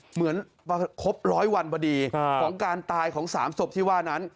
เหมือนครบร้อยวันพอดีของการตายของ๓ศพที่ว่านั้น